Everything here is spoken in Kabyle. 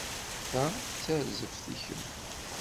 Ta d tarzeft i kemm.